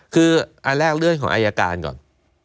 คืออันแรกเรื่องของอายการก่อน